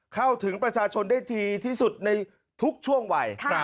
เข้าถึงประชาชนได้ดีที่สุดในทุกช่วงวัย